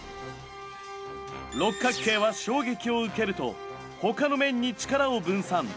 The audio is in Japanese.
六角形は衝撃を受けるとほかの面に力を分散。